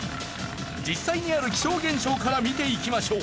実際にある気象現象から見ていきましょう。